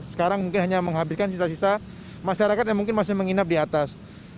sekarang mungkin hanya menghabiskan sisa sisa masyarakat yang mungkin masih menginap di atas